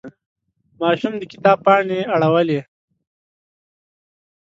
ماشوم د کتاب پاڼې اړولې.